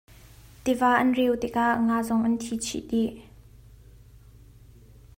Tiva an reu tikah nga zong an thi chih dih.